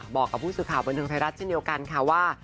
บอกกับผู้สื่อข่าวบันเทิงไทยรัฐเช่นเดียวกันค่ะว่า